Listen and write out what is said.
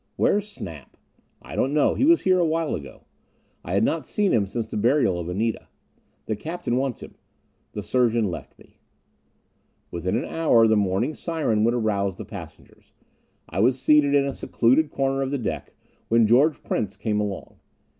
"Where's Snap?" "I don't know. He was here a while ago." I had not seen him since the burial of Anita. "The captain wants him." The surgeon left me. Within an hour the morning siren would arouse the passengers. I was seated in a secluded corner of the deck, when George Prince came along.